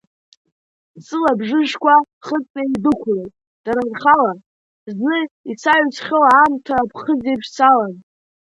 Сылабжышқәа хыҵны идәықәлеит дара рхала, зны исаҩсхьоу аамҭа аԥхыӡ еиԥш салан.